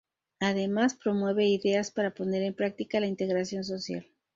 Además, promueve ideas para poner en práctica la integración social.